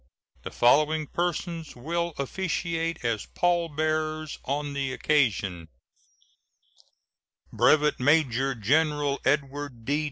The following persons will officiate as pallbearers on the occasion: Brevet Major General Edward D.